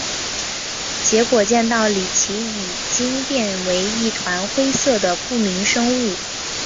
结果见到李奇已经变为一团灰色的不明生物。